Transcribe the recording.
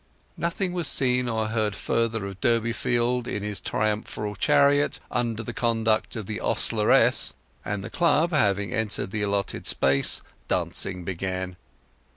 Nothing was seen or heard further of Durbeyfield in his triumphal chariot under the conduct of the ostleress, and the club having entered the allotted space, dancing began.